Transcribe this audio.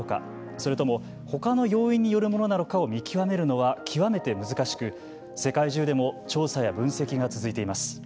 それとも他の要因によるものなのかを見極めるのはきわめて難しく世界中でも調査や分析が続いています。